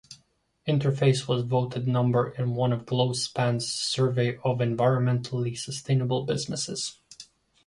Interface was voted number one in Globespan's survey of environmentally sustainable businesses.